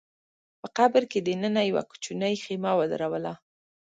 په قبر کي دننه يې يوه کوچنۍ خېمه ودروله